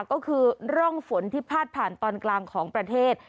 ก็คือร่องฝนที่พาดผ่านตอนกลางของประเทศ